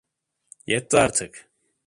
Yetti artık.